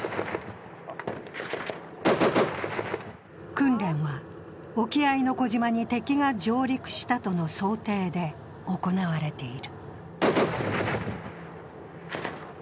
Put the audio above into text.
訓練は、沖合の小島に敵が上陸したとの想定で行われている。